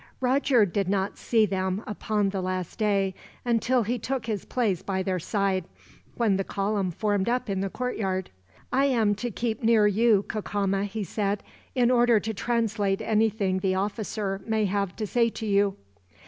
Roger did not see them, upon the last day, until he took his place by their side, when the column formed up in the courtyard. "I am to keep near you, Cacama," he said, "in order to translate anything the officer may have to say to you."